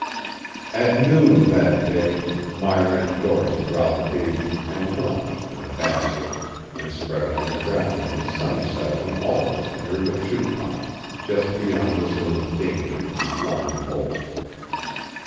At noon that day Myra and Doris brought the baby and lunch in a basket and spread it on the ground on the sunny side of an alder near the chute mouth, just beyond the zone of danger from flying bolts.